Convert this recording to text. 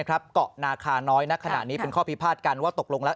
เกาะนาคาน้อยณขณะนี้เป็นข้อพิพาทกันว่าตกลงแล้ว